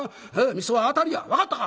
『みそを当たる』や分かったか？」。